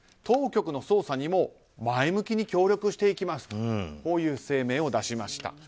当局の捜査にも前向きに協力していきますとこういう声明を出しました。